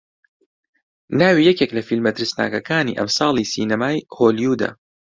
ناوی یەکێک لە فیلمە ترسناکەکانی ئەمساڵی سینەمای هۆلیوودە